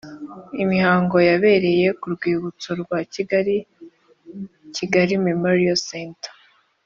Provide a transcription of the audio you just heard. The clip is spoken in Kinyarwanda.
Imihango yabereye ku rwibutso rwa Kigali Kigali Memorial Centre